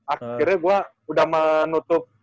akhirnya gua udah menutup